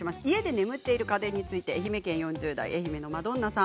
家で眠っている家電について愛媛県４０代の方です。